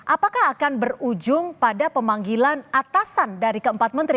apakah akan berujung pada pemanggilan atasan dari keempat menteri